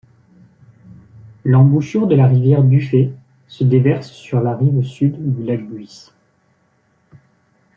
L’embouchure de la rivière Dufay se déverse sur la rive Sud du lac Buies.